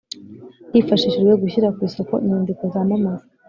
hifashishijwe gushyira ku isoko inyandiko zamamaza